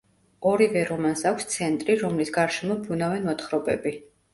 ორივე რომანს აქვს ცენტრი, რომლის გარშემო ბრუნავენ მოთხრობები.